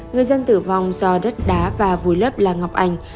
người dân tử vong do đất đá và vùi lấp là ngọc anh